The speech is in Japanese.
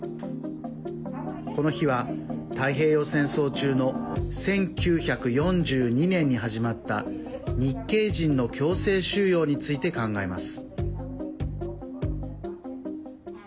この日は、太平洋戦争中の１９４２年に始まった日系人の強制収容について考えます。